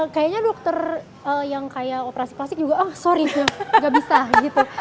kayaknya dokter yang kayak operasi plastik juga oh sorry gak bisa gitu